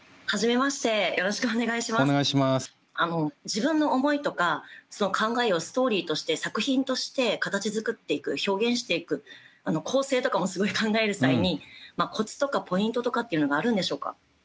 自分の思いとか考えをストーリーとして作品として形づくっていく表現していく構成とかもすごい考える際にコツとかポイントとかっていうのがあるんでしょうか？